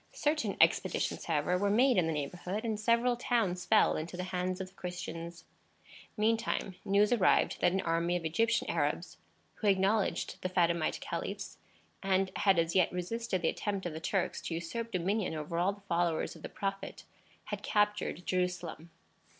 Certain expeditions, however, were made in the neighborhood, and several towns fell into the hands of the Christians. Meantime, news arrived that an army of Egyptian Arabs who acknowledged the Fatimite caliphs, and had as yet resisted the attempt of the Turks to usurp dominion over all the followers of the Prophet had captured Jerusalem.